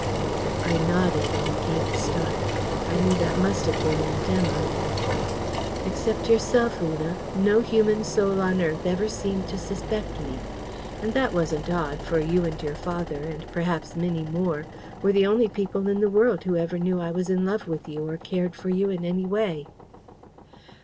(I nodded and gave a start. I knew that must have been Aunt Emma.) "Except yourself, Una, no human soul on earth ever seemed to suspect me. And that wasn't odd; for you and your father, and perhaps Minnie Moore, were the only people in the world who ever knew I was in love with you or cared for you in any way."